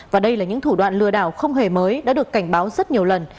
và đây là những thủ đoạn lừa đảo không hề mới đã được cảnh báo rất nhiều lần